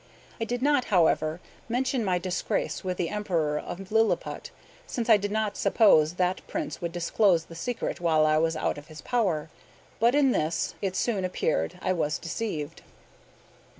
I did not, however, mention my disgrace with the Emperor of Lilliput, since I did not suppose that prince would disclose the secret while I was out of his power. But in this, it soon appeared, I was deceived.